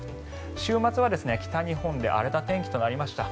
週末は北日本で荒れた天気となりました。